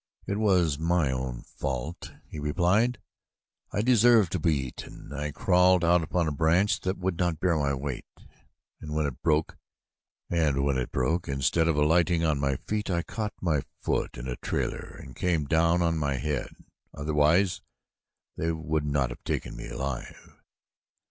"It was my own fault," he replied. "I deserve to be eaten. I crawled out upon a branch that would not bear my weight and when it broke, instead of alighting on my feet, I caught my foot in a trailer and came down on my head. Otherwise they would not have taken me alive."